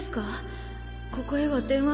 ここへは電話も。